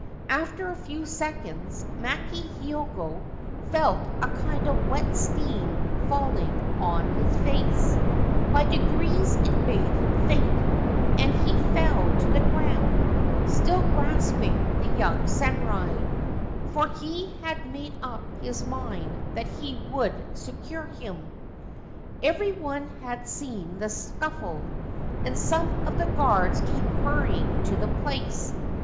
After a few seconds Maki Hiogo felt a kind of wet steam falling on his face ; by degrees it made him faint ; and he fell to the ground, still grasping the young samurai, for he had made up his mind that he would secure him. Every one had seen the scuffle, and some of the guards came hurrying to the place.